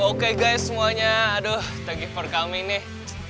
oke guys semuanya aduh thank you for coming nih